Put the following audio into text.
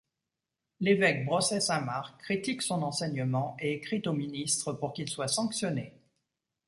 L'évêque Brossais-Saint-Marc critique son enseignement et écrit au ministre pour qu'il soit sanctionné.